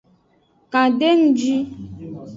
Kan de nji.